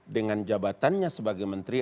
dengan jabatannya sebagai menteri